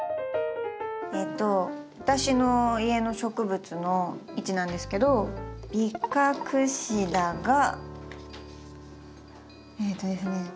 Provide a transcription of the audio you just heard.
えと私の家の植物の位置なんですけどビカクシダがえとですね